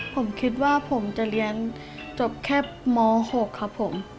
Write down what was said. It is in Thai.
ผมคิดว่าผมจะเรียนจบแค่ม๖ครับผม